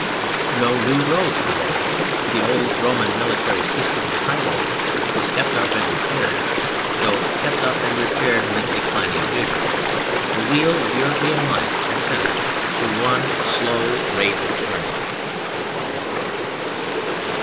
No new roads were laid. The old Roman military system of highways was kept up and repaired, though kept up and repaired with a declining vigor. The wheel of European life had settled to one slow rate of turning.